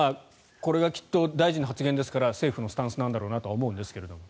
これがきっと大臣の発言ですから政府のスタンスなんだろうなとは思うんですが。